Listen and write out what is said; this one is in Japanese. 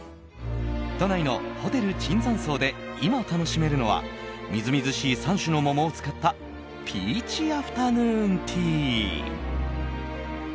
都内のホテル椿山荘で今、楽しめるのはみずみずしい３種のモモを使ったピーチアフタヌーンティー。